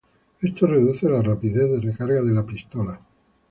Esto reduce la rapidez de recarga de la pistola.